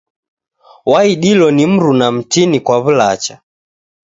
Waidilo ni mruna mtini kwa w'ulacha.